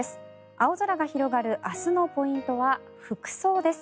青空が広がる明日のポイントは服装です。